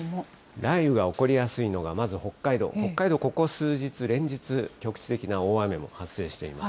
雷雨が起こりやすいのがまず北海道、ここ数日、連日、局地的な大雨も発生しています。